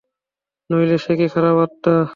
নইলে সে কি খারাপ আত্মা?